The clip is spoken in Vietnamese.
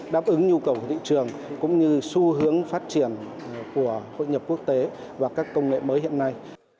đáp ứng nhu cầu của thị trường cũng như xu hướng phát triển của hội nhập quốc tế và các công nghệ mới hiện nay